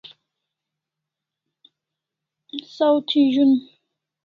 Saw thi z'un